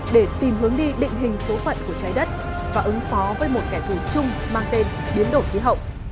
để tìm hướng đi định hình số phận của trái đất và ứng phó với một kẻ thù chung mang tên biến đổi khí hậu